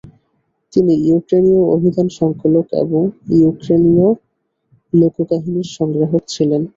তিনি ইউক্রেনীয় অভিধান সংকলক এবং উইক্রেনীয় লোককাহিনীর সংগ্রাহক ছিলেন।